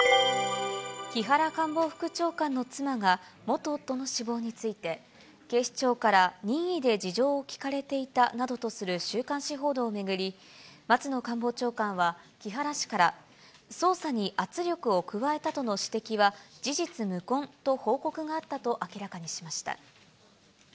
木原官房副長官の妻が、元夫の死亡について、警視庁から任意で事情を聴かれていたなどとする週刊誌報道を巡り、松野官房長官は木原氏から、捜査に圧力を加えたとの指摘は事実無根と報告があったと明らかにしました。